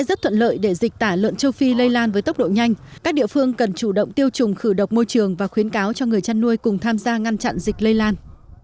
rất thuận lợi để dịch tả lợn châu phi lây lan với tốc độ nhanh các địa phương cần chủ động tiêu chủng khử độc môi trường và khuyến cáo cho người chăn nuôi cùng tham gia ngăn chặn dịch lây lan